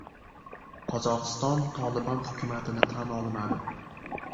Qozog‘iston "Tolibon" hukumatini tan olmadi.